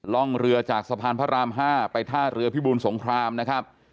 ร่องเรือจากสะพานพระราม๕ไปท่าเรือพิบูลสงครามนะครับ